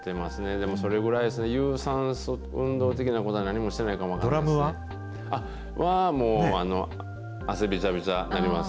でも、それぐらいですね、有酸素運動的なことは何もしてないかもドラムは？は、もう、汗びちゃびちゃになります。